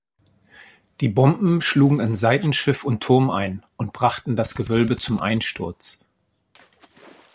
Die Bomben schlugen in Seitenschiff und Turm ein, und brachten das Gewölbe zum Einsturz.